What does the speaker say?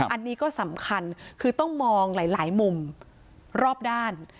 อันนี้ก็สำคัญคือต้องมองหลายมุมรอบด้าน